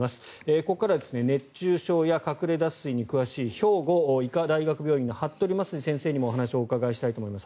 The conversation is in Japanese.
ここからは熱中症や隠れ脱水に詳しい兵庫医科大学病院の服部益治先生にもお話をお伺いしたいと思います。